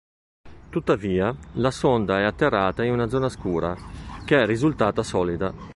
Tuttavia, la sonda è atterrata in una zona scura, che è risultata solida.